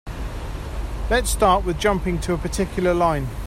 Let's start with jumping to a particular line.